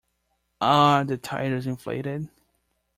Are the tyres inflated?